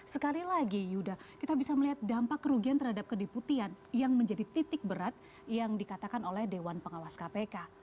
sekali lagi yuda kita bisa melihat dampak kerugian terhadap kedeputian yang menjadi titik berat yang dikatakan oleh dewan pengawas kpk